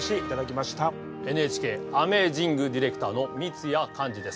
ＮＨＫアメージング・ディレクターの三津谷寛治です。